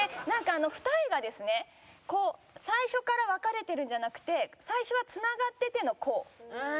なんか二重がですねこう最初から分かれてるんじゃなくて最初はつながっててのこう。